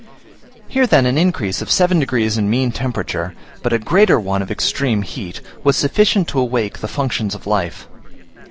Here, then, an increase of seven degrees in mean temperature, but a greater one of extreme heat, was sufficient to awake the functions of life.